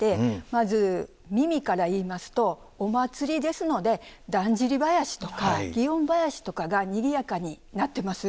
まず耳から言いますとお祭りですのでだんじり囃子とか園囃子とかがにぎやかに鳴ってます。